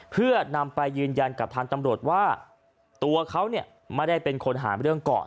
เพื่อนำไปยืนยันกับทางตำรวจว่าตัวเขาเนี่ยไม่ได้เป็นคนหาเรื่องก่อน